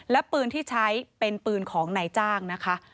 และปืนที่ใช้เป็นปืนของนายจ้างนะคะ